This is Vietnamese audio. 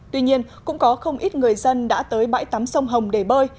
tuy nhiên cũng có không ít người dân đã tới bãi tắm sông hồng để bơi